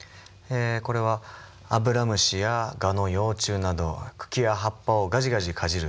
これはアブラムシやガの幼虫など茎や葉っぱをガジガジかじる